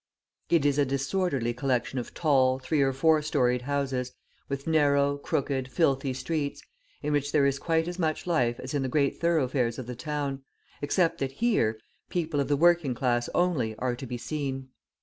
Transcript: It is a disorderly collection of tall, three or four storied houses, with narrow, crooked, filthy streets, in which there is quite as much life as in the great thoroughfares of the town, except that, here, people of the working class only are to be seen.